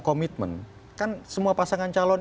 komitmen kan semua pasangan calon